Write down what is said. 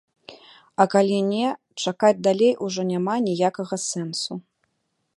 А калі не, чакаць далей ужо няма ніякага сэнсу.